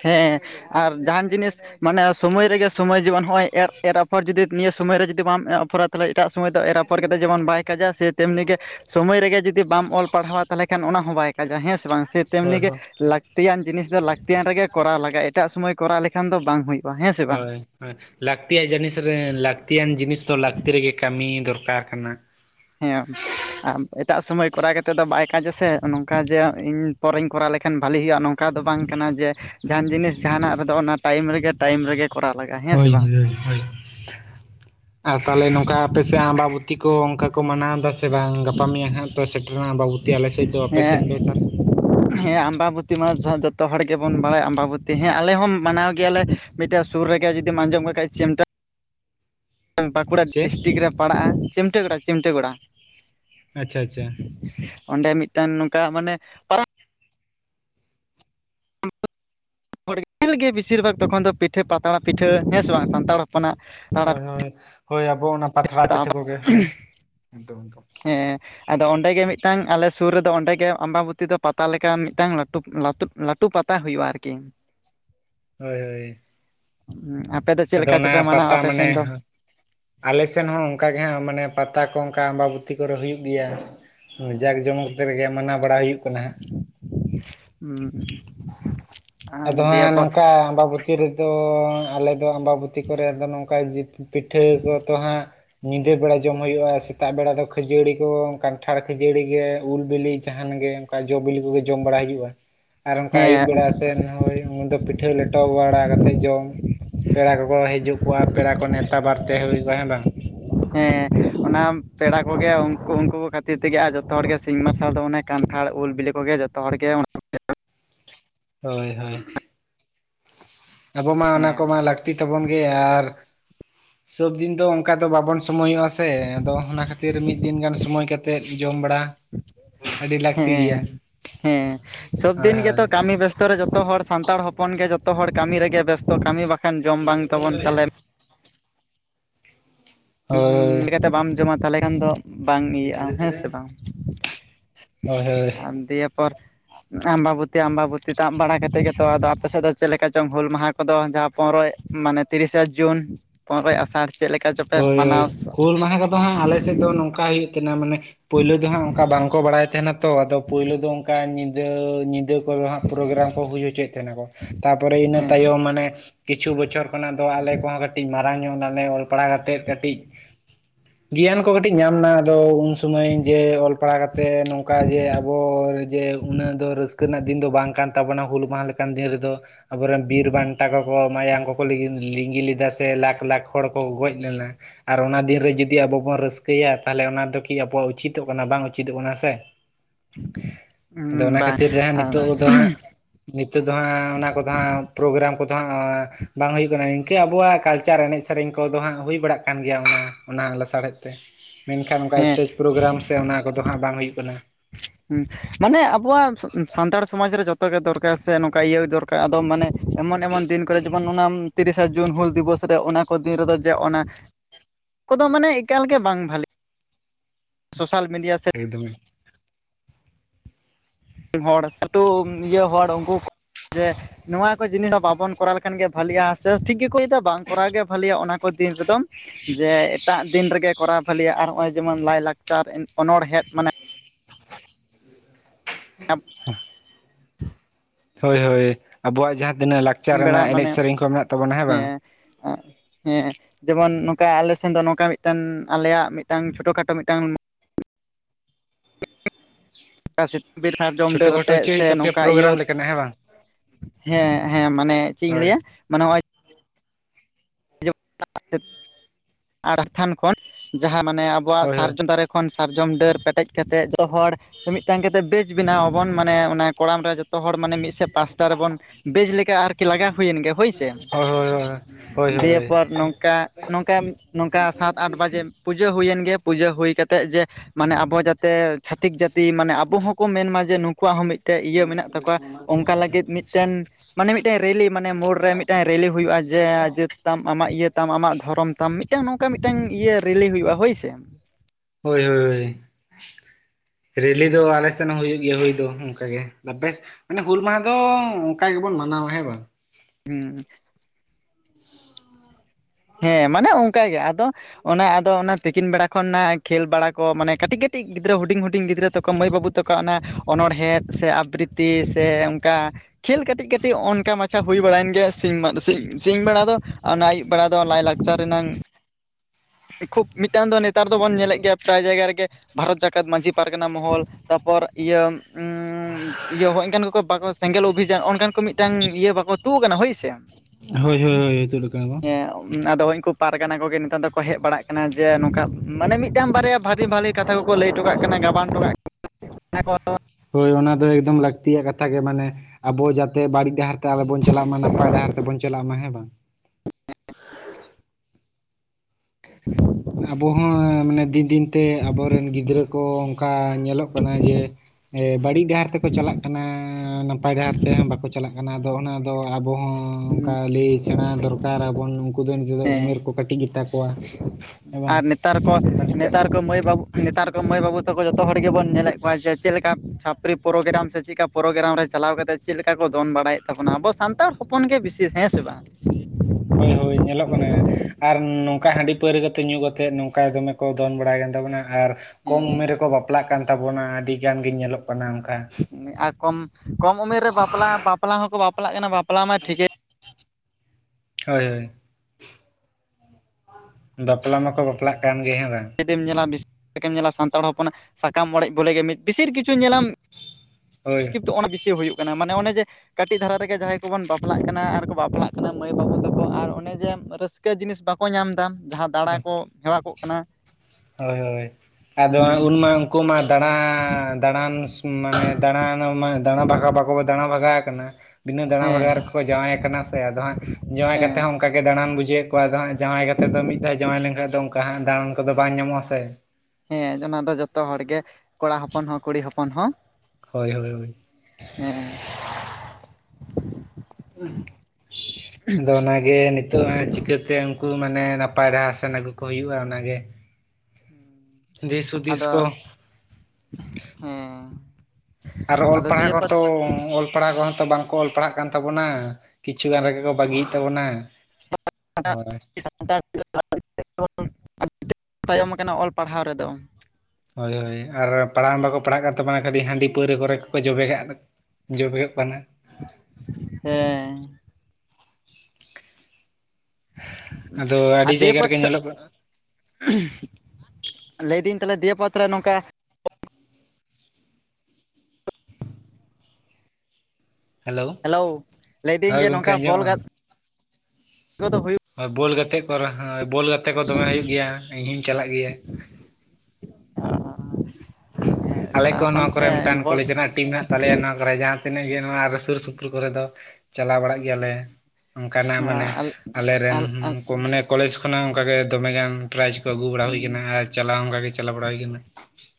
ᱦᱮᱸ ᱟᱨ ᱡᱟᱦᱟᱱ ᱡᱤᱱᱤᱥ ᱢᱟᱱᱮ ᱥᱚᱢᱚᱭ ᱨᱮᱜᱮ ᱥᱚᱢᱚᱭ ᱡᱮᱢᱚᱱ ᱦᱚᱸᱜᱼᱚᱭ ᱮᱨ ᱮᱨ ᱟᱯᱚᱨ ᱡᱩᱫᱤ। ᱱᱤᱭᱟᱹ ᱥᱚᱢᱚᱭ ᱨᱮ ᱡᱩᱫᱤ ᱵᱟᱢ ᱟᱯᱷᱚᱨᱟ ᱛᱟᱦᱚᱞᱮ ᱮᱴᱟᱜ ᱥᱚᱢᱚᱭ ᱫᱚ ᱮᱨ ᱟᱯᱚᱨ ᱠᱟᱛᱮ ᱡᱮᱢᱚᱱ ᱵᱟᱭ ᱠᱟᱡᱟ ᱥᱮ ᱛᱮᱢᱱᱤ ᱜᱮ। ᱥᱚᱢᱚᱭ ᱨᱮ ᱜᱮ ᱡᱩᱫᱤ ᱵᱟᱢ ᱚᱞ ᱯᱟᱲᱦᱟᱣᱟ ᱛᱟᱦᱚᱞᱮ ᱠᱷᱟᱱ ᱚᱱᱟ ᱦᱚᱸ ᱵᱟᱭ ᱠᱟᱡᱟ ᱦᱮᱸ ᱥᱮ ᱵᱟᱝ ᱥᱮ। ᱦᱳᱭ ᱛᱮᱢᱱᱤ ᱜᱮ ᱦᱳᱭ ᱞᱟᱹᱠᱛᱤᱭᱟᱱ ᱡᱤᱱᱤᱥ ᱫᱚ ᱞᱟᱹᱠᱛᱤᱭᱟᱱ ᱨᱮᱜᱮ ᱠᱚᱨᱟᱣ ᱞᱟᱜᱟᱜᱼᱟ ᱮᱴᱟᱜ ᱥᱩᱢᱚᱭ ᱠᱚᱨᱟᱣ ᱞᱮᱠᱷᱟᱱ ᱫᱚ ᱵᱟᱝ ᱦᱩᱭᱩᱜᱼᱟ। ᱦᱮᱸ ᱥᱮ ᱵᱟᱝ ᱦᱳᱭ ᱦᱳᱭ ᱞᱟᱹᱠᱛᱤᱭᱟᱱ ᱡᱤᱱᱤᱥ ᱨᱮ ᱞᱟᱠᱛᱤᱭᱟᱱ, ᱡᱤᱱᱤᱥ ᱫᱚ ᱞᱟᱹᱠᱛᱤ ᱨᱮᱜᱮ ᱠᱟᱹᱢᱤ ᱫᱚᱨᱠᱟᱨ ᱠᱟᱱᱟ। ᱦᱮᱸ ᱟᱨ ᱮᱴᱟᱜ ᱥᱚᱢᱚᱭ ᱠᱚᱨᱟᱣ ᱠᱟ ᱠᱟᱛᱮᱫ ᱫᱚ ᱵᱟᱭ ᱠᱟᱡ ᱥᱮ ᱱᱚᱝᱠᱟ ᱡᱮ ᱤᱧ। ᱯᱚᱨᱮᱧ ᱠᱚᱨᱟᱣ ᱞᱮᱠᱷᱟᱱ ᱵᱷᱟᱞᱮ ᱦᱩᱭᱩᱜᱼᱟ ᱱᱚᱝᱠᱟ ᱫᱚ ᱵᱟᱝ ᱠᱟᱱᱟ ᱡᱮ। ᱡᱟᱦᱟᱱ ᱡᱤᱱᱤᱥ ᱡᱟᱦᱟᱱᱟᱜ ᱨᱮ ᱫᱚ ᱚᱱᱟ ᱴᱟᱭᱤᱢ ᱨᱮᱜᱮ ᱴᱟᱭᱤᱢ ᱨᱮᱜᱮ ᱠᱚᱨᱟᱣ ᱞᱟᱜᱟᱜᱼᱟ। ᱦᱮᱸ ᱦᱳᱭ ᱥᱮ ᱵᱟᱝ [unintelligible] ᱟᱨ ᱛᱟᱦᱚᱞᱮ ᱱᱚᱝᱠᱟ। ᱟᱯᱮ ᱥᱮᱫ ᱟᱢᱵᱟᱵᱩᱛᱤ ᱠᱚ ᱚᱱᱠᱟ ᱠᱚ ᱢᱟᱱᱟᱣ ᱫᱟᱥᱮ। ᱥᱮ ᱵᱟᱝ ᱜᱟᱯᱟ ᱢᱮᱭᱟᱝ ᱦᱟᱸᱜ ᱛᱚ ᱥᱮᱴᱮᱨ ᱮᱱᱟ ᱟᱢᱵᱟᱵᱚᱛᱤ ᱟᱞᱮ ᱥᱮᱫ ᱫᱚ ᱟᱯᱮ ᱥᱮᱱ ᱦᱮᱸ ᱫᱚ ᱛᱟᱦᱚᱞᱮ? ᱦᱮᱸ ᱟᱢᱵᱟᱵᱩᱚᱛᱤ ᱢᱟ ᱦᱚᱸ ᱡᱚᱛᱚ ᱦᱚᱲ ᱜᱮᱵᱚᱱ ᱵᱟᱲᱟᱭᱟ ᱟᱢᱵᱟᱵᱩᱛᱤ ᱦᱮᱸ ᱟᱞᱮ ᱦᱚᱸ ᱢᱟᱱᱟᱣ ᱜᱮᱭᱟᱞᱮ। ᱢᱤᱫᱴᱟᱝ ᱥᱩᱨ ᱨᱮᱜᱮ ᱡᱩᱫᱤ ᱟᱸᱡᱚᱢ ᱠᱷᱟᱱ ᱵᱟᱸᱠᱩᱲᱟ ᱪᱮᱫ ᱰᱤᱥᱴᱤᱠ ᱨᱮ ᱯᱟᱲᱟᱜᱼᱟ ᱪᱤᱢᱴᱟᱹ ᱜᱲᱟ ᱪᱤᱢᱴᱟᱹ ᱜᱚᱲᱟ। ᱟᱪᱪᱷᱟ ᱟᱪᱪᱷᱟ। ᱚᱸᱰᱮ ᱢᱤᱫᱴᱟᱝ ᱱᱚᱝᱠᱟ ᱢᱟᱱᱮ ᱯᱟᱨ ᱧᱮᱞ ᱜᱮ ᱵᱮᱥᱤᱨ ᱵᱷᱟᱜᱽ ᱛᱚᱠᱷᱚᱱ ᱫᱚ ᱯᱤᱴᱷ ᱯᱟᱛᱲᱟ ᱯᱤᱴᱷᱟᱹ ᱦᱮᱸ ᱥᱮ ᱵᱟᱝ ᱥᱟᱱᱛᱟᱲ ᱦᱚᱯᱚᱱᱟᱜ। ᱯᱟᱛᱲᱟ ᱦᱳᱭ ᱦᱳᱭ ᱦᱳᱭ ᱟᱵᱚ ᱚᱱᱟ ᱯᱟᱛᱲᱟ ᱯᱤᱴᱷᱟᱹ ᱠᱚᱜᱮ। ᱦᱮᱸ ᱾ ᱟᱫᱚ ᱚᱸᱰᱮ ᱜᱮ ᱢᱤᱫᱴᱟᱝ ᱟᱞᱮ ᱥᱩᱨ ᱨᱮᱫᱚ ᱚᱸᱰᱮ ᱜᱮ ᱟᱢᱵᱟᱵᱚᱛᱤ ᱫᱚ ᱯᱟᱛᱟ ᱞᱮᱠᱟ ᱢᱤᱫᱴᱟᱝ ᱞᱟᱹᱴᱩ ᱞᱟᱴᱩ ᱞᱟᱴᱩ ᱯᱟᱛᱟ ᱦᱩᱭᱩᱜᱼᱟ ᱟᱨᱠᱤ। ᱦᱳᱭ ᱦᱳᱭ ᱾ ᱟᱯᱮ ᱫᱚ? ᱪᱮᱫ ᱟᱫᱚ ᱞᱮᱠᱟ ᱚᱱᱟ ᱪᱚᱯᱮ ᱢᱟᱱᱟᱣᱟ ᱯᱟᱛᱟ ᱟᱯᱮ ᱢᱟᱱᱮ, ᱥᱮᱱ ᱫᱚ ᱟᱞᱮ ᱥᱮᱱ ᱦᱚᱸ ᱚᱱᱠᱟ ᱜᱮ ᱦᱟᱸᱜ ᱢᱟᱱᱮ ᱯᱟᱛᱟ ᱠᱚ ᱚᱱᱠᱟ ᱟᱢᱵᱟᱵᱛᱤ ᱠᱚᱨᱮ ᱦᱩᱭᱩᱜ ᱜᱮᱭᱟ। ᱡᱟᱠ ᱡᱚᱢᱚᱠ ᱠᱟᱛᱮ ᱨᱮᱜᱮ ᱢᱟᱱᱟᱣ ᱵᱟᱲᱟ ᱦᱩᱭᱩᱜ ᱠᱟᱱᱟ ᱦᱟᱸᱜ ᱾ ᱟᱫᱚ ᱦᱟᱸᱜ ᱫᱤᱭᱮᱯᱚᱨ ᱱᱚᱝᱠᱟ ᱟᱢᱵᱟᱵᱚᱛᱤ ᱵᱚᱛᱤ ᱨᱮᱫᱚ ᱟᱞᱮᱫᱚ ᱟᱢᱵᱟᱵᱚᱛᱤ ᱠᱚᱨᱮ ᱫᱚ ᱱᱚᱝᱠᱟ ᱡᱤᱵᱽ ᱯᱤᱴᱷᱟᱹ ᱠᱚᱫᱚᱚ ᱦᱟᱸᱜ ᱧᱤᱫᱟᱹ ᱵᱮᱲᱟ ᱡᱚᱢ ᱦᱩᱭᱩᱜᱼᱟ ᱥᱮᱛᱟᱜ ᱵᱮᱲᱟ ᱫᱚ ᱠᱷᱟᱹᱡᱟᱹᱲᱤ ᱠᱚ ᱠᱟᱱᱴᱷᱟᱲ ᱠᱷᱟᱹᱡᱟᱹᱲᱤ ᱜᱮ ᱩᱞ ᱵᱤᱞᱤ ᱡᱟᱦᱟᱱ ᱜᱮ, ᱡᱚ ᱵᱤᱞᱤ ᱠᱚᱜᱮ ᱡᱚᱢ ᱵᱟᱲᱟ ᱦᱩᱭᱩᱜᱼᱟ ᱟᱨ ᱚᱱᱠᱟ ᱟᱭᱩᱵ ᱦᱮᱸ ᱵᱮᱲᱟ ᱥᱮᱱᱭ ᱩᱱ ᱫᱚ ᱯᱤᱴᱷᱟᱹ ᱞᱮᱴᱚ ᱵᱟᱲᱟ ᱠᱟᱛᱮᱫ ᱡᱚᱢ ᱯᱮᱲᱟ ᱠᱚᱠᱚ ᱦᱤᱡᱩᱜ ᱠᱚᱣᱟ ᱯᱮᱲᱟ ᱠᱚ ᱱᱮᱶᱛᱟ ᱵᱟᱨᱛᱮ ᱦᱩᱭ ᱠᱚᱜᱼᱟ ᱦᱮᱸ ᱵᱟᱝ। ᱦᱮᱸ ᱚᱱᱟ ᱯᱮᱲᱟ ᱠᱚᱜᱮ ᱩᱱᱠᱩ ᱩᱱᱠᱩ ᱠᱷᱟᱹᱛᱤᱨ ᱛᱮᱜᱮ ᱟᱨ ᱡᱚᱛᱚ ᱦᱚᱲᱜᱮ ᱥᱤᱧ ᱢᱟᱨᱥᱟᱞ ᱫᱚ ᱚᱱᱮ ᱠᱟᱱᱴᱷᱟᱲ ᱩᱞ ᱵᱤᱞᱤ ᱠᱚᱜᱮ ᱡᱚᱛᱚ ᱦᱚᱲ ᱜᱮ ᱦᱳᱭ ᱦᱳᱭ ᱾ ᱟᱵᱚ ᱢᱟ ᱚᱱᱟ ᱠᱚᱢᱟ ᱞᱟᱹᱠᱛᱤ ᱛᱟᱵᱚᱱ ᱜᱮ, ᱟᱨ [unintelligible] ᱥᱚᱵᱫᱤᱱ ᱫᱚ ᱚᱱᱠᱟ ᱫᱚ ᱵᱟᱵᱚᱱ ᱥᱚᱢᱚᱭᱚᱜᱼᱟ ᱥᱮ ᱟᱫᱚ ᱚᱱᱟ ᱠᱷᱟᱹᱛᱤᱨ ᱢᱤᱫ ᱫᱤᱱ ᱜᱟᱱ ᱥᱳᱚᱢᱚᱭ ᱠᱟᱛᱮᱫ ᱡᱚᱢ ᱵᱟᱲᱟ ᱟᱹᱰᱤ ᱞᱟᱹᱠᱛᱤ ᱜᱮᱭᱟ ᱦᱮᱸ ᱦᱮᱸ ᱥᱚᱵᱫᱤᱱ ᱦᱳᱭ ᱜᱮᱛᱚ ᱠᱟᱹᱢᱤ ᱵᱮᱥᱛᱚ ᱚᱠᱛᱚ ᱨᱮ ᱡᱚᱛᱚ ᱦᱚᱲ ᱥᱟᱱᱛᱟᱲ ᱦᱚᱯᱚᱱ ᱜᱮ ᱡᱚᱛᱚ ᱦᱚᱲ ᱠᱟᱹᱢᱤ ᱨᱮᱜᱮ ᱵᱮᱥᱛᱚ ᱠᱟᱹᱢᱤ ᱵᱟᱠᱷᱟᱱ ᱡᱚᱢ ᱵᱟᱝ ᱛᱟᱵᱚᱱ ᱛᱟᱞᱮ। ᱦᱳᱭ ᱞᱮᱠᱟᱛᱮ ᱵᱟᱢ ᱡᱚᱢᱟ ᱛᱟᱦᱚᱞᱮ ᱠᱷᱟᱱ ᱫᱚ ᱵᱟᱝ ᱤᱭᱟᱹᱜᱼᱟ ᱦᱮᱸ ᱥᱮ ᱵᱟᱝ ᱦᱳᱭ ᱦᱳᱭ ᱦᱳᱭ ᱟᱨ ᱫᱤᱭᱮ ᱯᱚᱨ ᱟᱢᱵᱟᱵᱚᱛᱤ ᱟᱢᱵᱟᱵᱩᱛᱤ ᱯᱟᱨᱚᱢ ᱵᱟᱲᱟ ᱠᱟᱛᱮᱜ ᱜᱮᱛᱚ ᱟᱫᱚ ᱟᱯᱮ ᱥᱮᱫ ᱫᱚ ᱪᱮᱫ ᱠᱚ ᱪᱚᱝ ᱦᱩᱞ ᱢᱟᱦᱟ ᱠᱚᱫᱚ ᱡᱟᱦᱟᱸ ᱯᱚᱱᱮᱨᱚᱭ ᱢᱟᱱᱮ ᱛᱤᱨᱤᱥᱟ ᱡᱩᱱ ᱯᱚᱱᱮᱨᱚᱭ ᱟᱥᱟᱲ ᱪᱮᱫ ᱞᱮᱠᱟ ᱪᱚᱯᱮ ᱢᱟᱱᱟᱣ ᱦᱳᱭ ᱦᱩᱞ ᱢᱟᱦᱟ ᱠᱚᱫᱚ ᱦᱟᱸᱜ ᱟᱞᱮ ᱥᱮᱫ ᱫᱚ ᱱᱚᱝᱠᱟ ᱚᱱᱠᱟ ᱦᱩᱭᱩᱜ ᱛᱟᱦᱮᱱᱟ ᱢᱟᱱᱮ ᱯᱳᱭᱞᱳ ᱫᱚᱦᱟᱸᱜ ᱚᱱᱠᱟ ᱵᱟᱝᱠᱚ ᱵᱟᱲᱟᱭ ᱛᱟᱦᱮᱱᱟ ᱛᱚ, ᱟᱫᱚ ᱯᱩᱭᱞᱳ ᱫᱚ ᱚᱱᱠᱟ ᱧᱤᱫᱟᱹ ᱧᱤᱫᱟᱹ ᱠᱚᱨᱮ ᱦᱟᱸᱜ ᱯᱨᱳᱜᱨᱟᱢ ᱠᱚ ᱦᱩᱭ ᱦᱚᱪᱚᱭᱮᱫ ᱛᱟᱦᱮᱱᱟᱠᱚ। ᱛᱟᱯᱚᱨᱮ ᱤᱱᱟᱹ ᱛᱟᱭᱚᱢ ᱢᱟᱱᱮ ᱠᱤᱪᱷᱩ ᱵᱚᱪᱚᱨ ᱠᱷᱚᱱᱟᱜ ᱫᱚ ᱟᱞᱮ ᱠᱚᱦᱚᱸ ᱠᱟᱹᱴᱤᱡ ᱢᱟᱨ ᱢᱟᱨᱟᱝ ᱧᱚ ᱱᱟᱞᱮ ᱚᱞ ᱯᱟᱲᱦᱟᱣ ᱠᱟᱛᱮ ᱠᱟᱹᱴᱤᱡ ᱜᱮᱭᱟᱱ ᱠᱚ ᱠᱟᱹᱴᱤᱡ ᱧᱟᱢ ᱟᱫᱚ ᱥᱩᱢᱟᱹᱭ ᱡᱮ ᱚᱞ ᱯᱟᱲᱦᱟᱣ ᱠᱟᱛᱮ ᱱᱚᱝᱠᱟ ᱡᱮ ᱟᱵᱚ ᱡᱮ ᱩᱱᱟᱹᱜ ᱫᱚ ᱨᱟᱹᱥ ᱨᱟᱹᱥᱠᱟᱹ ᱨᱮᱱᱟᱜ ᱫᱤᱱ ᱫᱚ ᱵᱟᱝ ᱠᱟᱱ ᱛᱟᱵᱚᱱᱟ ᱦᱩᱞ ᱢᱟᱸᱦᱟ ᱞᱮᱠᱟ ᱫᱤᱱ ᱨᱮᱫᱚ ᱟᱵᱚᱨᱮᱱ ᱵᱤᱨ ᱵᱟᱱᱴᱟ ᱠᱚᱠᱚ ᱢᱟᱭᱟᱝ ᱠᱚᱠᱚ ᱞᱤᱸᱜᱤ ᱞᱮᱫᱟ ᱥᱮ ᱞᱟᱠᱷ ᱞᱟᱠᱷ ᱦᱚᱲ ᱠᱚ ᱜᱚᱡ ᱞᱮᱱᱟ ᱾ ᱟᱨ ᱚᱱᱟ ᱫᱤᱱ ᱨᱮ ᱡᱩᱫᱤ ᱟᱵᱚ ᱵᱚᱱ ᱨᱟᱹᱥᱠᱟᱹᱭᱟ ᱛᱟᱦᱞᱮ ᱚᱱᱟ ᱫᱚ ᱠᱤ ᱟᱵᱚᱣᱟᱜ ᱩᱪᱤᱛᱚᱜ ᱠᱟᱱᱟ ᱵᱟᱝ ᱩᱪᱤᱛᱚᱜ ᱠᱟᱱᱟ ᱥᱮ ᱾ [unintelligible] ᱟᱫᱚ ᱦᱮᱸ ᱚᱱᱟ ᱵᱟᱝ ᱠᱷᱟᱹᱛᱤᱨ ᱛᱮ ᱦᱟᱸᱜ ᱱᱤᱛᱳᱜ ᱫᱚ ᱦᱟᱸᱜ ᱱᱤᱛᱳᱜ ᱫᱚ ᱦᱟᱸᱜ ᱚᱱᱟ ᱠᱚᱫᱚ ᱦᱟᱸᱜ ᱯᱨᱳᱜᱨᱟᱢ ᱠᱚᱫᱚ ᱦᱟᱸᱜ ᱵᱟᱝ ᱦᱳᱭᱳᱜ ᱠᱟᱱᱟ ᱤᱝᱠᱟᱹ ᱟᱵᱚᱣᱟᱜ ᱠᱟᱞᱪᱟᱨ ᱮᱱᱮᱡ ᱥᱮᱹᱨᱮᱹᱧ ᱠ ᱠᱚᱫᱚ ᱦᱟᱸᱜ ᱦᱩᱭ ᱵᱟᱲᱟᱜ ᱠᱟᱱ ᱜᱮᱭᱟ ᱚᱱᱟ ᱚᱱᱟ ᱞᱮᱥᱟᱲᱦᱮᱫ ᱛᱮ ᱢᱮᱱᱠᱷᱟᱱ ᱚᱱᱠᱟ ᱦᱮᱸ ᱥᱴᱮᱡᱽ ᱯᱨᱳᱜᱨᱟᱢ ᱥᱮ ᱚᱱᱟ ᱠᱚᱫᱚ ᱦᱟᱸᱜ ᱵᱟᱝ ᱦᱩᱭᱩᱜ ᱠᱟᱱᱟ ᱾ ᱦᱩᱸ ᱢᱟᱱᱮ ᱟᱵᱚᱣᱟᱜ ᱥᱟᱱᱛᱟᱲ ᱥᱚᱢᱟᱡᱽ ᱨᱮ ᱡᱚᱛᱚ ᱜᱮ ᱫᱚᱨᱠᱟᱨ ᱥᱮ ᱱᱚᱝᱠᱟ ᱤᱭᱟᱹ ᱫᱚᱨ ᱟᱫᱚ ᱢᱟᱱᱮ ᱮᱢᱚᱱ ᱮᱢᱚᱱ ᱫᱤᱱ ᱠᱚᱨᱮ ᱡᱮᱢᱚᱱ ᱚᱱᱟ ᱛᱤᱨᱤᱥᱟ ᱡᱩᱱ ᱦᱩᱞ ᱫᱤᱵᱚᱥ ᱨᱮ ᱚᱱᱟ ᱠᱚ ᱫᱤᱱ ᱨᱮᱫᱚ ᱡᱮ ᱚᱱᱟ ᱠᱟ ᱠᱚᱫᱚ ᱢᱟᱱᱮ ᱮᱠᱟᱞ ᱜᱮ ᱵᱟᱝ ᱵᱷᱟᱞᱮᱹ ᱥᱳᱥᱟᱞ ᱢᱤᱰᱤᱭᱟ ᱥᱮᱫ ᱮᱠᱫᱚᱢ ᱮ ᱦᱚᱲ ᱞᱟᱹᱴᱩ ᱤᱭᱟᱹ ᱦᱚᱲ ᱩᱱᱠᱩ ᱡᱮ ᱱᱚᱣᱟ ᱠᱚ ᱡᱤᱱᱤᱥ ᱫᱚ ᱵᱟᱵᱚᱱ ᱠᱚᱨᱟᱣ ᱞᱮ [unintelligible] ᱠᱷᱟᱱ ᱜᱮ ᱵᱷᱟᱞᱤᱭᱟ ᱥᱮ ᱴᱷᱤᱠ ᱜᱮᱠᱚ ᱞᱟᱹᱭ ᱮᱫᱟ ᱵᱟᱝ ᱠᱚᱨᱟᱣ ᱜᱮ ᱵᱷᱟᱞᱤᱭᱟ ᱚᱱᱟ ᱠᱚ ᱫᱤᱱ ᱨᱮᱫᱚᱢ ᱾ ᱡᱮ ᱮᱴᱟᱜ ᱫᱤᱱ ᱨᱮᱜᱮ ᱠᱚᱨᱟᱣ ᱵᱷᱟᱞᱤᱭᱟ ᱟᱨ ᱱᱚᱜᱼᱚᱭ ᱡᱮᱢᱚᱱ ᱞᱟᱭᱼᱞᱟᱠᱪᱟᱨ ᱚᱱᱚᱬᱦᱮᱫ ᱢᱟᱱᱮ [inaudible] ᱸᱴᱷᱟᱜ-ᱴᱷᱚᱜ-ᱴᱷᱚᱜ ᱾ ᱦᱳᱭ -ᱦᱳᱭ, ᱟᱵᱚᱣᱟᱜ ᱡᱟᱦᱟᱸ ᱛᱤᱱᱟᱹᱜ ᱞᱟᱠᱪᱟᱨ ᱥᱤᱧ ᱵᱮᱲᱟ ᱨᱮᱱᱟᱜ ᱮᱱᱮᱡ ᱥᱮᱹᱨᱮᱹᱧ ᱠᱚ ᱢᱮᱱᱟᱜ ᱛᱟᱵᱚᱱᱟ ᱦᱮᱸ ᱵᱟᱝ ᱾ ᱟᱜ, ᱦᱮᱸ ᱾ [unintelligible] ᱡᱮᱢᱚᱱ ᱱᱚᱝᱠᱟ ᱟᱞᱮ ᱥᱮᱱ ᱫᱚ ᱱᱚᱝᱠᱟ ᱢᱤᱫᱴᱟᱹᱱ ᱟᱞᱮᱭᱟᱜ ᱢᱤᱫᱴᱟᱹᱝ ᱪᱷᱳᱴᱳ ᱠᱷᱟᱴᱚ ᱢᱤᱫᱴᱟᱹᱝ ᱠᱟ ᱥᱤᱛ ᱵᱤᱨ ᱥᱟᱨᱡᱚᱢ ᱪᱷᱳᱴᱳ ᱰᱟᱹᱨ ᱠᱷᱟᱴᱳ ᱟᱛᱮᱜ ᱦᱚᱪᱚᱭ ᱥᱮ ᱦᱩᱭᱩᱜ ᱛᱟᱯᱮᱭᱟ ᱱᱚᱝᱠᱟ ᱤᱭᱟᱹᱣ ᱯᱨᱳᱜᱨᱟᱢ ᱞᱮᱠᱟᱱᱟᱜ ᱦᱮᱸ ᱵᱟᱝ ᱦᱮᱸ ᱦᱮᱸ, ᱢᱟᱱᱮ ᱪᱮᱜ ᱤᱧ ᱦᱳᱭ ᱞᱟᱹᱭᱟ ᱢᱟᱱᱮ ᱦᱚᱸᱜᱼᱚᱭ [unintelligible] ᱟᱛᱷᱟᱱ ᱠᱷᱚᱱ ᱡᱟᱦᱟᱸ ᱢᱟᱱᱮ ᱟᱵᱚᱣᱟᱜ ᱦᱳᱭ ᱥᱟᱨᱡᱚᱢ ᱫᱟᱨᱮ ᱠᱷᱚᱱ ᱥᱟᱨᱡᱚᱢ ᱰᱟᱹᱨ ᱯᱮᱴᱮᱡ ᱠᱟᱛᱮ ᱡᱚᱛᱚ ᱨᱚᱦᱚᱲ ᱢᱤ ᱢᱤᱫᱴᱟᱝ ᱠᱟᱛᱮᱜ ᱵᱮᱹᱪ ᱵᱮᱱᱟᱣ ᱟᱵᱚᱱ ᱱᱮ ᱚᱱᱮ ᱠᱚᱲᱟᱢ ᱨᱮ ᱡᱚᱛᱚ ᱦᱚᱲ ᱢᱟᱱᱮ ᱢᱤᱫ ᱯᱟᱥᱴᱟ ᱨᱮᱵᱚᱱ ᱵᱮᱹᱡ ᱞᱮᱠᱟ ᱟᱨᱠᱤ ᱞᱟᱜᱟᱣ ᱦᱳᱭᱮᱱ ᱜᱮ ᱦᱳᱭᱥᱮ, ᱦᱳᱭ ᱦᱳᱭ ᱦᱳᱭ ᱦᱳᱭ ᱦᱳᱭ ᱦᱳᱭ ᱦᱳᱭ ᱫᱤᱭᱮ ᱯᱚᱨ ᱦᱳᱭ ᱱᱚᱝᱠᱟ- ᱱᱚᱝᱠᱟ, ᱱᱚᱝᱠᱟ ᱥᱟᱛ ᱟᱴ ᱵᱟᱡᱮ ᱯᱩᱡᱟᱹ ᱦᱳᱭᱮᱱ ᱜᱮ ᱯᱩᱡᱟᱹ ᱦᱳᱭ ᱠᱟᱛᱮᱜ ᱡᱮ ᱢᱟᱱᱮ ᱟᱵᱚ ᱡᱟᱛᱮ ᱪᱷᱟᱛᱤᱠ ᱡᱟᱛᱤ ᱢᱟᱱᱮ ᱟᱵᱚ ᱦᱚᱸᱠᱚ ᱢᱮᱱᱢᱟ ᱡᱮ ᱱᱩᱠᱩᱣᱟᱜ ᱦᱚᱸ ᱢᱤᱫ ᱴᱮᱡ ᱤᱭᱟᱹ ᱢᱮᱱᱟᱜ ᱛᱟᱠᱚᱣᱟ ᱚᱝᱠᱟ ᱞᱟᱜᱤᱫ ᱢᱤᱫᱴᱮᱱ ᱢᱟᱱᱮ ᱢᱤᱫᱴᱮᱱ ᱨᱮᱞᱤ ᱢᱟᱱᱮ ᱢᱳᱲ ᱨᱮ ᱢᱤᱫᱴᱮᱱ ᱨᱮᱞᱤ ᱦᱳᱭᱳᱜᱼᱟ ᱡᱮ ᱡᱟᱹᱛ ᱛᱟᱢ ᱟᱢᱟᱜ ᱤᱭᱟᱹ ᱛᱟᱢ ᱟᱢᱟᱜ ᱫᱷᱚᱨᱚᱢ ᱛᱟᱢ ᱢᱤᱫᱴᱟᱹᱝ ᱱᱚᱝᱠᱟ ᱢᱤᱫᱴᱟᱹᱝ ᱤᱭᱟᱹ ᱨᱮᱞᱤ ᱦᱳᱭᱳᱜᱼᱟ ᱦᱳᱭᱥᱮ ᱾ ᱦᱳᱭ -ᱦᱳᱭ -ᱦᱳᱭ ᱾ ᱨᱮᱞᱤ ᱫᱚ ᱟᱞᱮ ᱥᱮᱱ ᱦᱚᱸ ᱦᱳᱭᱳᱜ ᱜᱮᱭᱟ ᱦᱳᱭ ᱫᱚ ᱚᱱᱠᱟᱜᱮ ᱟᱯᱮᱥ ᱢᱟᱱᱮ ᱦᱩᱞ ᱢᱟᱸᱦᱟ ᱫᱚ ᱚᱝᱠᱟ ᱜᱮᱵᱚᱱ ᱢᱟᱱᱟᱣᱟ ᱦᱮᱸ ᱵᱟᱝ ᱾ ᱦᱩᱸ ᱾ ᱦᱮᱸ ᱢᱟᱱᱮ ᱚᱝᱠᱟ ᱜᱮ ᱟᱫᱚ, ᱚᱱᱮ ᱟᱫᱚ ᱚᱱᱟ ᱛᱤᱠᱤᱱ ᱵᱮᱲᱟ ᱠᱷᱚᱱ ᱱᱟᱜ ᱠᱷᱮᱹᱞ ᱵᱟᱲᱟ ᱠᱚ ᱢᱟᱱᱮ ᱠᱟᱹᱴᱤᱡ ᱠᱟᱹᱴᱤᱡ ᱜᱤᱫᱽᱨᱟᱹ ᱦᱩᱰᱤᱧ ᱦᱩᱰᱤᱧ ᱜᱤᱫᱽᱨᱟᱹ ᱛᱟᱠᱚ ᱢᱟᱹᱭ ᱵᱟᱹᱵᱩ ᱛᱟᱠᱚ ᱚᱱᱟ ᱚᱱᱚᱬᱦᱮᱫ ᱥᱮ ᱟᱵᱨᱤᱛᱤ ᱥᱮ ᱚᱱᱠᱟ ᱠᱷᱮᱹᱞ ᱠᱟᱹᱴᱤᱡ ᱠᱟᱹᱴᱤᱡ ᱚᱱᱠᱟ ᱢᱟᱪᱷᱟ ᱦᱩᱭ ᱵᱟᱲᱟᱭᱮᱱ ᱜᱮᱭᱟ ᱥᱤᱧ ᱵᱮᱲᱟ ᱫᱚ ᱟᱨ ᱟᱭᱩᱵ ᱵᱮᱲᱟ ᱫᱚ ᱞᱟᱭᱼᱞᱟᱠᱪᱟᱨ ᱨᱮᱱᱟᱝ ᱠᱷᱩᱵᱷ ᱢᱤᱫᱴᱟᱝ ᱫᱚ ᱱᱮᱛᱟᱨ ᱫᱚᱵᱚᱱ ᱧᱮᱞᱮᱜ ᱜᱮᱭᱟ ᱯᱨᱟᱭ ᱡᱟᱭᱜᱟ ᱨᱮᱜᱮ ᱵᱷᱟᱨᱚᱛ ᱡᱟᱠᱟᱛ ᱢᱟᱺᱡᱷᱤ ᱯᱟᱨᱜᱟᱱᱟ ᱢᱚᱦᱚᱞ ᱛᱟᱯᱚᱨ ᱤᱭᱟᱹᱩᱸ-ᱧᱢ-ᱧᱢ ᱤᱭᱟᱹ ᱦᱚᱸᱜ-ᱱᱤᱝᱠᱟᱱ ᱠᱚᱠᱚ ᱵᱟᱠᱚ, ᱥᱮᱸᱜᱮᱞ ᱚᱵᱷᱤᱡᱟᱱ ᱚᱱᱠᱟᱱ ᱠᱚ ᱢᱤᱫᱴᱟᱝ ᱤᱭᱟᱹ ᱵᱟᱠᱚ ᱛᱩᱜ ᱠᱟᱱᱟ ᱦᱳᱭᱥᱮ ᱮᱸ- ᱦᱳᱭ ᱦᱳᱭ ᱦᱳᱭ ᱦᱤᱛᱚᱜ ᱞᱮᱠᱟ ᱫᱚ ᱩᱸ-ᱢ ᱟᱫᱚ ᱮᱝᱠᱩ ᱯᱟᱨᱜᱟᱱᱟ ᱠᱚᱜᱮ ᱱᱮᱛᱟᱨ ᱫᱚ ᱠᱚ ᱦᱮᱡ ᱵᱟᱲᱟᱜ ᱠᱟᱱᱟ ᱡᱮ ᱱᱚᱝᱠᱟ ᱢᱟᱱᱮ ᱢᱤᱫᱴᱟᱝ ᱵᱟᱨᱭᱟ ᱵᱷᱟᱞᱤ ᱵᱷᱟᱞᱤ ᱠᱟᱛᱷᱟ ᱠᱚᱠᱚ ᱞᱟᱹᱭ ᱦᱚᱴᱚ ᱠᱟᱜ ᱠᱟᱱᱟ ᱜᱟᱵᱟᱱ ᱦᱚᱴᱚᱠᱟᱜ ᱠᱟᱱᱟ ᱾ ᱠᱚ [inaudible] ᱦᱳᱭ ᱚᱱᱟ ᱫᱚ ᱮᱠᱫᱚᱢ ᱞᱟᱠᱛᱤᱭᱟᱜ ᱠᱟᱛᱷᱟ ᱜᱮ ᱢᱟᱱᱮ ᱟᱵᱚ ᱡᱟᱛᱮ ᱵᱟᱲᱤᱡ ᱰᱟᱦᱟᱨ ᱛᱮ ᱟᱞᱚ ᱵᱚᱱ ᱪᱟᱞᱟᱜ ᱢᱟ ᱱᱟᱯᱟᱭ ᱰᱟᱦᱟᱨ ᱛᱮᱵᱚᱱ ᱪᱟᱞᱟᱜ ᱢᱟ ᱦᱮᱸ ᱵᱟᱝ ᱾ ᱟᱵᱚ ᱦᱚᱸ ᱢᱟᱱᱮ ᱫᱤᱱ ᱫᱤᱱᱛᱮ ᱟᱵᱚᱨᱮᱱ ᱜᱤᱫᱽᱨᱟᱹ ᱠᱚ ᱚᱝᱠᱟ ᱧᱮᱞᱚᱜ ᱠᱟᱱᱟ ᱡᱮ ᱵᱟᱹᱲᱤᱡ ᱰᱟᱦᱟᱨ ᱛᱮᱠᱚ ᱪᱟᱞᱟᱜ ᱠᱟᱱᱟ, ᱱᱟᱯᱟᱭ ᱰᱟᱦᱟᱨ ᱛᱮᱦᱚᱸᱵᱟᱠᱚ ᱪᱟᱞᱟᱜ ᱠᱟᱱᱟ ᱟᱫᱚ ᱚᱱᱟ ᱛᱚ ᱟᱵᱚ ᱦᱚᱸ ᱚᱱᱠᱟ ᱞᱟᱹᱭ ᱥᱮᱬᱟ ᱫᱚᱨᱠᱟᱨ ᱟᱵᱚ ᱩᱱᱠᱩ ᱫᱚ ᱱᱤᱛᱚᱜ ᱫᱚ ᱦᱮᱸ ᱩᱢᱮᱨ ᱠᱚ ᱠᱟᱹᱴᱤᱡ ᱜᱮᱛᱟ ᱠᱚᱣᱟ ᱾ ᱟᱨ ᱱᱮᱛᱟᱨ ᱠᱚ, ᱱᱮᱛᱟᱨ ᱠᱚ ᱢᱟᱹᱭ, ᱵᱟᱹᱵᱩ, ᱱᱮᱛᱟᱨ ᱠᱚ ᱢᱟᱹᱭ ᱵᱟᱹᱵᱩ᱾ ᱚ ᱠᱚ ᱡᱚᱛᱚ ᱦᱚᱲ ᱜᱮᱵᱚᱱ ᱧᱮᱞᱮᱫ ᱠᱚᱣᱟ ᱡᱮ ᱪᱮᱫ ᱞᱮᱠᱟ ᱪᱷᱟᱯ ᱪᱟᱹᱠᱨᱤ ᱯᱨᱳᱜᱨᱟᱢ, ᱥᱮ ᱪᱮᱫᱠᱟ ᱨᱤᱱ ᱯᱨᱳᱜᱨᱟᱢ ᱨᱮ ᱪᱟᱞᱟᱣ ᱠᱟᱛᱮᱫ᱾ ᱪᱮᱫ ᱞᱮᱠᱟ ᱠᱚ ᱫᱚᱱ ᱵᱟᱲᱟᱭᱮᱫ ᱛᱟᱵᱚᱱᱟ, ᱟᱵᱚ ᱥᱟᱱᱛᱟᱲ᱾ ᱦᱚᱯᱚᱱ ᱜᱮ ᱵᱤᱥᱮᱥ ᱦᱮᱸ ᱥᱮ ᱵᱟᱝ? ᱦᱳᱭ, ᱦᱳᱭ ᱧᱮᱞᱚ-ᱜ ᱠᱟᱱᱟ᱾ ᱟᱨ ᱱᱚᱝᱠᱟ ᱦᱟᱺᱰᱤ, ᱯᱟᱹᱣᱨᱟᱹ, ᱠᱟᱛᱮ ᱧᱩ ᱠᱟᱛᱮᱫ᱾ ᱱᱚᱝᱠᱟ ᱫᱚᱢᱮ ᱠᱚ ᱫᱚᱱ ᱵᱟᱲᱟᱭ ᱠᱟᱱ ᱛᱟᱵᱚᱱᱟ᱾ ᱟᱨ ᱠᱚᱢ ᱩᱢᱮᱨ ᱦᱮᱸ ᱨᱮᱠᱚ ᱵᱟᱯᱞᱟ-ᱜ ᱠᱟᱱ ᱛᱟᱵᱚᱱᱟ᱾ ᱟᱹᱰᱤ ᱜᱟᱱ ᱜᱮ ᱧᱮᱞᱚᱜ ᱠᱟᱱᱟ ᱚᱱᱠᱟ᱾ ᱟᱨ ᱠᱚᱢ, ᱠᱚᱢ ᱩᱢᱮᱨ ᱨᱮ ᱵᱟᱯᱞᱟ ᱵᱟᱯᱞᱟ ᱦᱚᱸᱠᱚ ᱵᱟᱯᱞᱟ-ᱜ ᱠᱟᱱᱟ᱾ ᱵᱟᱯᱞᱟ ᱢᱟ ᱴᱷᱤᱠᱮ ᱦᱳᱭ, ᱦᱳᱭ ᱵᱟᱯᱞᱟ ᱢᱟᱠᱚ ᱵᱟᱯᱞᱟ-ᱜ ᱠᱟᱱ ᱜᱮ᱾ ᱦᱮᱸ ᱵᱟᱝ? ᱡᱩᱢ ᱧᱮᱞᱟ ᱵᱷᱟᱜᱢ ᱧᱮᱞᱟ, ᱥᱟᱱᱛᱟᱲ ᱦᱚᱯᱚᱱᱟ-ᱜ ᱥᱟᱠᱟᱢ ᱚᱲᱮᱡ ᱵᱚᱞᱮ ᱜᱮ᱾ ᱢᱤᱫ ᱵᱮᱥᱤᱨ ᱠᱤᱪᱷᱩ ᱧᱮᱞᱟᱢ᱾ ᱦᱳᱭ ᱛᱚ ᱚᱱᱮ ᱵᱤᱥᱤ ᱦᱩᱭᱩ-ᱜ ᱠᱟᱱᱟ᱾ ᱢᱟᱱᱮ ᱚᱱᱮ ᱡᱮ ᱠᱟᱹᱴᱤᱡ ᱫᱷᱽᱟᱨᱟ ᱨᱮᱜᱮ ᱡᱟᱦᱟᱸᱭ ᱠᱚᱵᱚᱱ ᱵᱟᱯᱞᱟ-ᱜ ᱠᱟᱱᱟ᱾ ᱟᱨᱠᱚ ᱵᱟᱯᱞᱟ-ᱜ ᱠᱟᱱᱟ ᱾ ᱢᱟᱹᱭ ᱵᱟᱹᱵᱩ ᱛᱟᱠᱚ ᱟᱨ ᱚᱱᱮ ᱡᱮ ᱨᱟᱹᱥᱠᱟᱹ᱾ ᱪᱮᱫᱟᱹ ᱡᱤᱱᱤᱥ ᱵᱟᱠᱚ ᱧᱟᱢ ᱮᱫᱟ᱾ ᱡᱟᱦᱟᱸ ᱫᱟᱬᱟᱸ ᱠᱚ ᱦᱮᱣᱟ ᱠᱚᱜ ᱠᱟᱱᱟ᱾ ᱦᱳᱭ, ᱦᱳᱭ ᱟᱫᱚ ᱦᱩᱸ ᱩᱱᱢᱟ ᱢᱟ ᱩᱱᱠᱩ ᱢᱟ᱾ ᱫᱟᱬᱟᱸ ᱫᱟᱬᱟᱱ ᱢᱟᱱᱮ ᱫᱟᱬᱟᱱ ᱫᱟᱬᱟ ᱵᱷᱽᱟᱜᱟ ᱵᱟᱠᱚ ᱫᱟᱬᱟᱸ ᱵᱷᱽᱟᱜᱟᱣ ᱟᱠᱟᱱᱟ᱾ ᱵᱤᱱᱟᱹ ᱫᱟᱬᱟ ᱵᱷᱽᱟᱜᱟ ᱦᱮᱸ ᱨᱮᱠᱚ ᱡᱟᱶᱟᱭ ᱠᱟᱱᱟ᱾ ᱥᱮ ᱟᱫᱚ ᱦᱟᱸᱜ ᱡᱟᱶᱟᱭ ᱠᱟ ᱠᱟᱛᱮ ᱦᱮᱸ ᱦᱚᱸ᱾ ᱚᱱᱠᱟ ᱜᱮ ᱫᱟᱬᱟᱱ ᱵᱩᱡᱷᱣᱮᱫ ᱠᱚᱣᱟ᱾ ᱟ ᱦᱟᱸᱜ ᱡᱟᱶᱟᱭ ᱠᱟ ᱠᱟᱛᱮ ᱫᱚ ᱢᱤᱫᱷ, ᱟᱣ ᱡᱟᱶᱟᱭ ᱞᱮᱱᱠᱟᱱ ᱫᱚ ᱚᱱᱠᱟ ᱦᱟᱜ ᱫᱟᱬᱟᱱ ᱠᱚᱼᱫᱚ ᱵᱟᱝ ᱧᱟᱢᱚᱜᱼᱟ᱾ ᱥᱮ ᱦᱮᱸ ᱚᱱᱟ ᱫᱚ ᱡᱚᱛᱚ ᱦᱚᱲ ᱜᱮ, ᱠᱚᱲᱟ ᱦᱚᱯᱚᱱ ᱦᱚᱸ ᱠᱩᱲᱤ ᱦᱚᱯᱚᱱ ᱦᱚᱸ᱾ ᱦᱳᱭ, ᱦᱳᱭ, ᱦᱳᱭ ᱦᱮᱸ ᱟᱫᱚ ᱚᱱᱟᱜᱮ ᱱᱤᱛᱚᱜ ᱪᱤᱠᱟᱹᱛᱮ ᱠᱩ ᱢᱟᱱᱮ ᱱᱟᱯᱟᱭ ᱰᱟᱦᱟᱨ ᱥᱮᱱ ᱟᱹᱜᱩ ᱠᱚ ᱦᱩᱭᱩᱜᱼᱟ᱾ ᱚᱱᱟᱜᱮ ᱦᱮᱸ ᱫᱤᱥ ᱦᱩᱫᱤᱥ ᱟᱫᱚ ᱠᱚ ᱦᱮᱸ ᱟᱨ ᱚᱞ ᱟᱫᱚ ᱯᱟᱲᱦᱟᱣ ᱫᱤᱭᱮᱯᱚᱨ ᱠᱚᱛᱚ ᱚᱞ ᱯᱟᱲᱦᱟᱣ ᱠᱚᱦᱚ᱾ ᱚ ᱵᱟᱝᱠᱚ ᱚᱞ ᱯᱟᱲᱦᱟ-ᱜ ᱠᱟᱱ ᱛᱟᱵᱚᱱᱟ ᱾ ᱠᱤᱪᱷᱩ ᱜᱟᱱ ᱨᱮᱜᱮ ᱠᱚ ᱵᱟᱹᱜᱤᱭᱮᱫ ᱛᱟᱵᱚᱱᱟ᱾ ᱦᱳᱭ ᱥᱟᱱᱛᱟᱲ [unintelligible] ᱛᱟᱭᱚᱢ ᱟᱠᱟᱱᱟ ᱚᱞ ᱯᱟᱲᱦᱟᱣ ᱨᱮᱫᱚ᱾ ᱦᱳᱭ, ᱦᱳᱭ ᱟᱨ ᱯᱟᱲᱦᱟᱣ ᱢᱟ ᱵᱟᱠᱚ ᱯᱟᱲᱦᱟ-ᱜ ᱠᱟᱱ ᱛᱟᱵᱚᱱᱟ᱾ ᱠᱷᱟᱹᱞᱤ ᱦᱟᱺᱰᱤ ᱯᱟᱹᱣᱨᱟᱹ ᱠᱚᱨᱮ ᱠᱚ ᱡᱚᱵᱮ ᱠᱟᱜ ᱡᱚᱵᱮ ᱠᱚᱠ ᱠᱟᱱᱟ᱾ ᱦᱮᱸ ᱟᱫᱚ ᱟ ᱟᱹᱰᱤ ᱡᱟᱭᱜᱟ ᱨᱮᱜᱮ [unintelligible] ᱧᱮᱞᱚᱜ ᱠᱟᱱᱟ ᱞᱟᱹᱭᱫᱟᱹᱧ ᱛᱟᱦᱚᱞᱮ, ᱫᱤᱭᱮ ᱯᱚᱨ ᱛᱟᱦᱞᱮ ᱱᱚᱝᱠᱟ᱾ ᱦᱮᱞᱳ, ᱞᱟᱹᱭᱫᱟᱹᱧ ᱦᱳᱭ ᱡᱮ ᱜᱚᱝᱠᱮ ᱱᱚᱝᱠᱟ ᱵᱚᱞ ᱟᱸᱡᱚᱢᱚᱜ [unintelligible] ᱠᱟᱱᱟ ᱜᱟᱛ ᱦᱩᱭᱩᱜ ᱦᱳᱭ ᱵᱚᱞ ᱜᱟᱛᱮᱜ ᱠᱚᱨᱮ ᱦᱳᱭ ᱵᱚᱞ ᱜᱟᱛᱮ ᱠᱚ ᱫᱚᱢᱮ ᱦᱩᱭᱩ-ᱜ ᱜᱮᱭᱟ ᱤᱧ ᱦᱚᱸᱧ ᱪᱟᱞᱟ-ᱜ ᱜᱮᱭᱟ᱾ ᱚ ᱟᱞᱮ ᱠᱚ ᱱᱚᱣᱟ ᱠᱚᱨᱮ, ᱢᱤᱫᱴᱟᱝ ᱠᱚᱞᱮᱡᱽ ᱨᱮᱱᱟ-ᱜ ᱯᱟᱹᱴᱤ ᱢᱮᱱᱟᱜ ᱛᱟᱞᱮᱭᱟ᱾ ᱱᱚᱣᱟ ᱠᱚᱨᱮᱜ ᱡᱟᱦᱟᱸ ᱛᱤᱱᱟᱹᱜ ᱜᱮ ᱱᱚᱣᱟ ᱥᱩᱨ ᱥᱩᱯᱩᱨ ᱠᱚᱨᱮ ᱫᱚ ᱪᱟᱞᱟᱣ ᱵᱟᱲᱟᱜ ᱜᱮᱭᱟᱞᱮ᱾ ᱚᱱᱠᱟᱱᱟᱜ ᱚ ᱢᱟᱱᱮ᱾ ᱟᱞ ᱟᱞᱮᱨᱮᱱ ᱟᱞ ᱟᱞ ᱢᱟᱱᱮ ᱠᱚᱞᱮᱡᱽ ᱠᱷᱚᱱᱟ-ᱜ ᱚᱱᱠᱟᱜᱮ ᱫᱚᱢᱮᱜᱟᱱ, ᱯᱨᱟᱭᱤᱡ ᱠᱚ ᱟᱹᱜᱩ ᱵᱟᱲᱟ᱾ ᱦᱩᱭ ᱟᱠᱟᱱᱟ ᱦᱩᱸ ᱟᱨ ᱪᱟᱞᱟᱣ ᱚᱱᱠᱟ ᱜᱮ ᱪᱟᱞᱟᱣ ᱵᱟᱲᱟ ᱦᱩᱭᱠᱟᱱᱟ᱾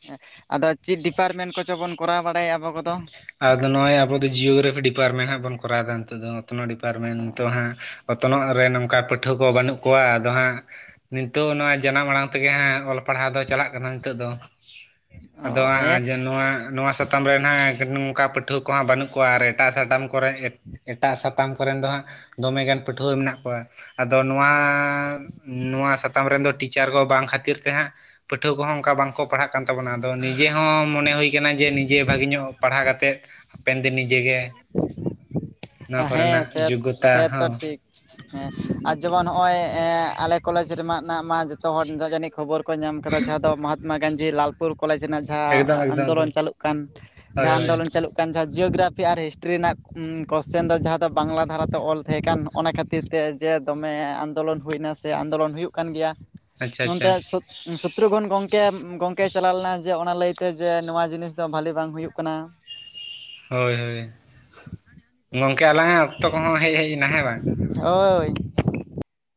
ᱦᱮᱸ ᱟᱫᱚ ᱪᱮᱫ ᱰᱤᱯᱟᱨᱢᱮᱱᱴ ᱠᱚ-ᱪᱚ ᱵᱚᱱ ᱠᱚᱨᱟᱣ ᱵᱟᱲᱟᱭᱟ᱾ ᱟᱵᱚ ᱠᱚᱫᱚ? ᱟᱫᱚ ᱱᱚᱜᱼᱚᱭ ᱟᱵᱚ ᱫᱚ ᱡᱤᱭᱳᱜᱨᱟᱯᱷᱤ ᱰᱤᱯᱟᱨᱴᱢᱮᱱᱴ ᱦᱟᱸᱜ ᱵᱚᱱ ᱠᱚᱨᱟᱣ ᱮᱫᱟ ᱾ ᱱᱤᱛᱚᱜ ᱫᱚ ᱚᱛᱱᱚ ᱰᱤᱯᱟᱨᱴᱢᱮᱱᱴ ᱱᱤᱛᱚᱜ ᱦᱟᱸᱜ ᱚᱛᱱᱚᱜ ᱨᱮ ᱱᱚᱝᱠᱟ ᱯᱟᱹᱴᱷᱩᱣᱟᱹ ᱠᱚ ᱵᱟᱹᱱᱩᱜ ᱠᱚᱣᱟ᱾ ᱟᱫᱚ ᱦᱟᱸᱜ ᱱᱤᱛᱚᱜ ᱱᱚᱣᱟ ᱡᱟᱱᱟᱢ ᱟᱲᱟᱝ ᱛᱮᱜᱮ, ᱦᱮᱜ ᱚᱞ ᱯᱟᱲᱦᱟᱣ ᱫᱚ ᱪᱟᱞᱟ-ᱜ ᱠᱟᱱᱟ᱾ ᱱᱤᱛᱚᱜ ᱫᱚ ᱚ ᱟᱫᱚ ᱦᱮᱸ ᱦᱟᱸᱜ ᱡᱮ ᱱᱚᱣᱟ ᱱᱚᱣᱟ ᱥᱟᱛᱟᱢ ᱨᱮ ᱦᱟᱜ ᱱᱚᱝᱠᱟ ᱯᱟᱹᱴᱷᱩᱣᱟᱹ ᱠᱚᱦᱟᱜ ᱵᱟᱹᱱᱩᱜ ᱠᱚᱣᱟ ᱟᱨ ᱮᱴᱟᱜ ᱥᱟᱛᱟᱢ ᱠᱚᱨᱮ ᱮᱴᱟᱜ ᱥᱟᱛᱟᱢ ᱠᱚᱨᱮᱱ ᱫᱚ ᱦᱟᱸᱜ ᱫᱚᱢᱮᱜᱟᱱ ᱯᱟᱹᱴᱷᱩᱣᱟᱹ ᱢᱮᱱᱟᱜ ᱠᱚᱣᱟ᱾ ᱟᱫᱚ ᱱᱚᱣᱟ ᱱᱚᱣᱟ ᱥᱟᱛᱟᱢ ᱨᱮᱱ ᱫᱚ ᱴᱤᱪᱟᱨ ᱠᱚ ᱵᱟᱝ ᱠᱷᱟᱹᱛᱤᱨ ᱛᱮ ᱦᱟᱸᱜ ᱯᱟᱹᱴᱷᱩᱣᱟᱹ ᱠᱚᱦᱚᱸ ᱚᱝᱠᱟ ᱵᱟᱝᱠᱚ ᱯᱟᱲᱦᱟᱜ ᱠᱟᱱ ᱛᱟᱵᱚᱱᱟ ᱟᱫᱚ ᱱᱤᱡᱮ ᱦᱚᱸ ᱢᱚᱱᱮ ᱦᱩᱭ ᱠᱟᱱᱟ ᱡᱮ ᱱᱤᱡᱮ ᱵᱷᱟᱜᱮ ᱧᱚᱜ ᱯᱟᱲᱦᱟᱣ ᱠᱟᱛᱮᱫ ᱦᱟᱯᱮᱱ ᱫᱤᱱ ᱱᱤᱡᱮᱜᱮ ᱱᱚᱣᱟ ᱦᱮᱸ ᱠᱚᱨᱮᱱᱟᱜ ᱥᱮ ᱡᱳᱜᱜᱳᱛᱟ ᱥᱮᱛᱚ ᱦᱚᱸ ᱴᱷᱤᱠ ᱦᱮᱸ ᱟᱨ ᱡᱮᱢᱚᱱ ᱦᱚᱜᱼᱚᱭ ᱟᱞᱮ ᱠᱚᱞᱮᱡᱽ ᱨᱮᱢᱟᱜ ᱱᱟᱜ ᱢᱟ ᱡᱚᱛᱚ ᱦᱚᱲ ᱱᱤᱛᱚᱜ ᱡᱟᱹᱱᱤᱡ ᱠᱷᱚᱵᱚᱨ ᱠᱚ ᱧᱟᱢ ᱟᱠᱟᱫᱟ ᱡᱟᱦᱟᱸ ᱫᱚ ᱢᱚᱦᱟᱛᱛᱢᱟ ᱜᱟᱱᱡᱷᱤ ᱞᱟᱞᱯᱩᱨ ᱠᱚᱞᱮᱡᱽ ᱨᱮᱱᱟᱜ ᱮᱠᱫᱚᱢ ᱡᱟᱦᱟᱸ ᱮᱠᱫᱚᱢ ᱮᱠᱫᱚᱢ ᱟᱱᱫᱳᱞᱚᱱ ᱪᱟᱹᱞᱩᱜ ᱠᱟᱱ ᱦᱳᱭ ᱡᱟᱦᱟᱸ ᱦᱳᱭ ᱟᱱᱫᱳᱞᱚᱱ ᱪᱟᱹᱞᱩᱜ ᱠᱟᱱ ᱡᱟᱦᱟᱸ ᱡᱤᱭᱳᱜᱨᱟᱯᱷᱤ ᱟᱨ ᱦᱤᱥᱴᱨᱤ ᱨᱮᱱᱟᱜ ᱠᱚᱥᱪᱮᱱ ᱫᱚ ᱡᱟᱦᱟᱸ ᱫᱚ ᱵᱟᱝᱞᱟ ᱫᱷᱟᱨᱟᱛᱮ ᱚᱞ ᱛᱟᱦᱮᱸ ᱠᱟᱱ ᱚᱱᱟ ᱠᱷᱟᱹᱛᱤᱨ ᱛᱮ ᱡᱮ ᱫᱚᱢᱮ ᱟᱱᱫᱳᱞᱚᱱ ᱦᱩᱭᱱᱟ ᱥᱮ ᱟᱱᱫᱳᱞᱚᱱ ᱦᱩᱭᱩᱜ ᱠᱟᱱ ᱜᱮᱭᱟ ᱟᱪᱪᱷᱟ ᱟᱪᱪᱷᱟ ᱱᱚᱱᱛᱮ [unintelligible] ᱥᱚᱛᱨᱩᱜᱚᱱ ᱜᱚᱝᱠᱮ ᱜᱚᱝᱠᱮ ᱪᱟᱞᱟᱣ ᱞᱮᱱᱟ ᱡᱮ ᱚᱱᱟ ᱞᱟᱹᱭᱛᱮ ᱡᱮ ᱱᱚᱣᱟ ᱡᱤᱱᱤᱥ ᱫᱚ ᱵᱟᱹᱞᱮ ᱵᱟᱝ ᱦᱩᱭᱩᱜ ᱠᱟᱱᱟ ᱦᱳᱭ ᱦᱳᱭ ᱜᱚᱝᱠᱮ ᱟᱞᱟᱝ-ᱟᱜ ᱚᱠᱛᱚ ᱠᱚᱦᱚᱸ ᱦᱮᱡ ᱦᱮᱡ ᱮᱱᱟ ᱦᱮᱸ ᱵᱟᱝ ᱦᱳᱭ